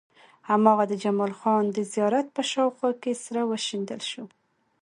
هماغه د جمال خان د زيارت په شاوخوا کې سره وشيندل شو.